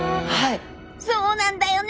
そうなんだよね！